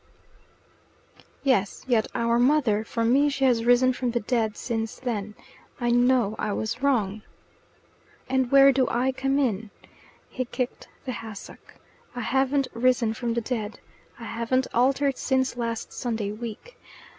"Yes yet our mother for me she has risen from the dead since then I know I was wrong " "And where do I come in?" He kicked the hassock. "I haven't risen from the dead. I haven't altered since last Sunday week.